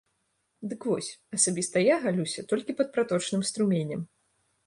Дык вось, асабіста я галюся толькі пад праточным струменем.